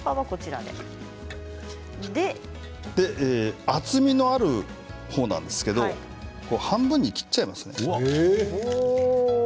そして厚みのある方なんですけれど半分に切っちゃいますね。